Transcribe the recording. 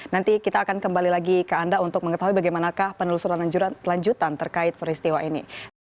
nanti kita akan kembali lagi ke anda untuk mengetahui bagaimanakah penelusuran lanjutan terkait peristiwa ini